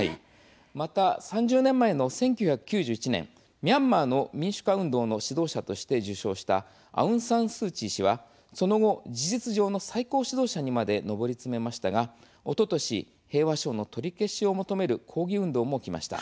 また３０年前の１９９１年ミャンマーの民主化運動の指導者として受賞したアウン・サン・スー・チー氏はその後、事実上の最高指導者にまで上り詰めましたがおととし平和賞の取り消しを求める抗議運動も起きました。